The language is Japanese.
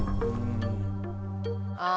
あ。